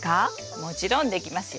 もちろんできますよ！